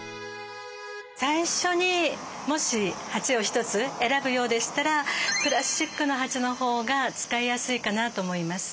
最初にもし鉢を一つ選ぶようでしたらプラスチックの鉢の方が使いやすいかなと思います。